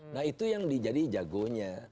nah itu yang jadi jagonya